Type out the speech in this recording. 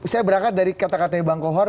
saya berangkat dari kata katanya bang kohar